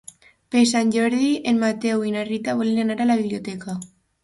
Per Sant Jordi en Mateu i na Rita volen anar a la biblioteca.